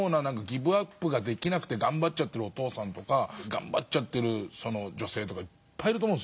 ギブアップができなくて頑張っちゃってるお父さんとか頑張っちゃってる女性とか世の中にいっぱいいると思う。